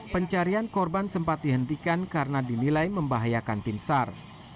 pencarian korban sempat dihentikan karena dinilai membahayakan tim sar